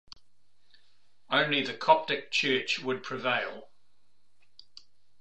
Only the Coptic Church would prevail.